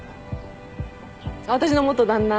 私の元旦那。